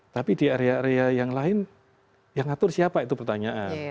tapi di area area yang lain yang ngatur siapa itu pertanyaan